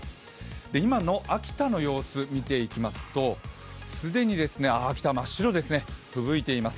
今の秋田の様子見ていきますと既に秋田、真っ白ですねふぶいています。